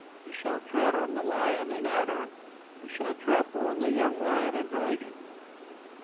You shall tread on the lion and adder, You shall trample on the young lion and dragon.